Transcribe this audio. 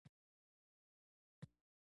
د مغز د روغتیا لپاره مطالعه وکړئ